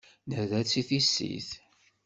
Nerra-tt i tissit.